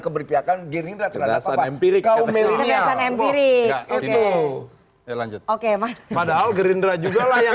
keberpihakan girindra terasa empiri kau milihnya empiri oke oke oke padahal gerindra juga layak